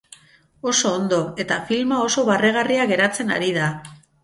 Oso ondo, eta filma oso barregarria geratzen ari da.